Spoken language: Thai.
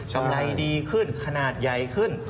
กำไรดีขึ้นขนาดใหญ่ขึ้น